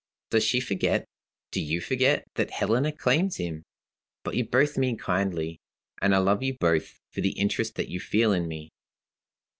Does she forget, do you forget, that Helena claims him? But you both mean kindly, and I love you both for the interest that you feel in me.